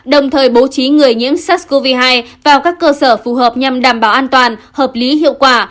đồng thời bố trí người nhiễm sars cov hai vào các cơ sở phù hợp nhằm đảm bảo an toàn hợp lý hiệu quả